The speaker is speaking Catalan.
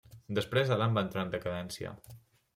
Després Elam va entrar en decadència.